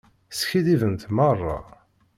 Skiddibent merra.